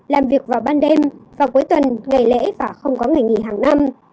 làm việc vào ban đêm và cuối tuần ngày lễ và không có ngày nghỉ hàng năm